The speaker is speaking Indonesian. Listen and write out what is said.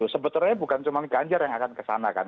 sebetulnya bukan cuma ganjar yang akan ke sana kan